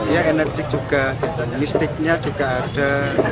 ya enerjik juga mistiknya juga ada